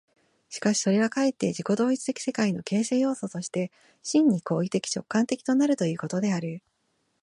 しかしそれはかえって自己同一的世界の形成要素として、真に行為的直観的となるということである。